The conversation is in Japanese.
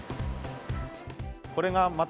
これがまた、